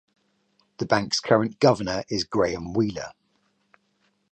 The Bank's current Governor is Graeme Wheeler.